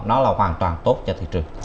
nó là hoàn toàn tốt cho thị trường